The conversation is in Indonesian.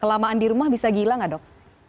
kelamaan di rumah bisa gila nggak dok